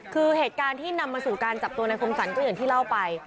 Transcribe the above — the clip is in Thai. คือเหตุการณ์ที่นำมาสู่การจับตัวนายคมสรรก็อย่างที่เล่าไป